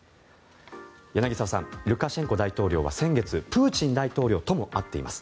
柳澤さん、ルカシェンコ大統領は先月プーチン大統領とも会っています。